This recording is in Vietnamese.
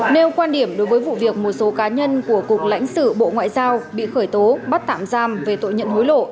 nêu quan điểm đối với vụ việc một số cá nhân của cục lãnh sự bộ ngoại giao bị khởi tố bắt tạm giam về tội nhận hối lộ